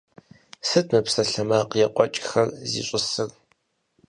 Сыт мы псалъэмакъ екӀуэкӀхэр зищӀысыр?